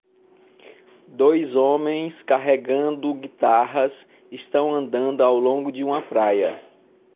Dois homens carregando guitarras estão andando ao longo de uma praia